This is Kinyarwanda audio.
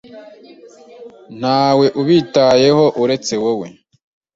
Ntawe ubitayeho uretse wowe.